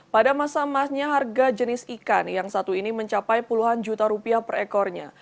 pada masa emasnya harga jenis ikan yang satu ini mencapai puluhan juta rupiah per ekornya